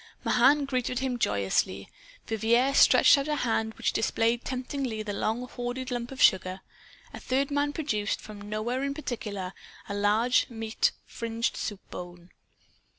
Mahan greeted him joyously. Vivier stretched out a hand which displayed temptingly the long hoarded lump of sugar. A third man produced, from nowhere in particular, a large and meat fringed soup bone.